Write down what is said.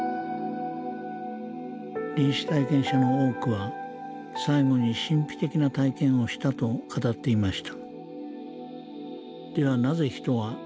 臨死体験者の多くは最後に神秘的な体験をしたと語っていました。